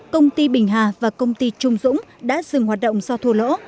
công ty bình hà và công ty trung dũng đã dừng hoạt động do thua lỗ